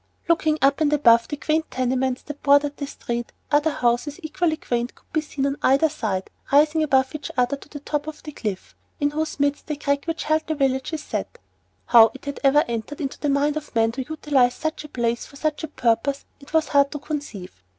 Looking up and above the quaint tenements that bordered the "street," other houses equally quaint could be seen on either side rising above each other to the top of the cliff, in whose midst the crack which held the village is set. How it ever entered into the mind of man to utilize such a place for such a purpose it was hard to conceive.